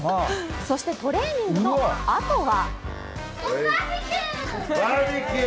そしてトレーニングのあとは。